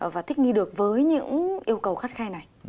và thích nghi được với những yêu cầu khắt khe này